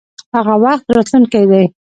هغه وخت راتلونکی دی.